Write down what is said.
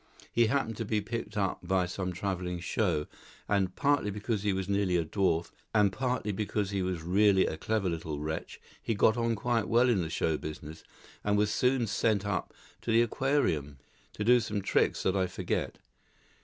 He happened to be picked up by some travelling show, and, partly because he was nearly a dwarf, and partly because he was really a clever little wretch, he got on quite well in the show business, and was soon sent up to the Aquarium, to do some tricks that I forget.